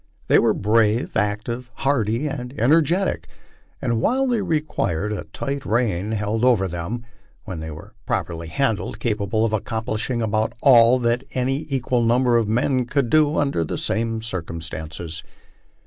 They were brave, active, hardy, and energetic, and, while they required a tight rein held over them, were when properly handled capable of accomplishing about all that any equal number of men could do under the same circumstances.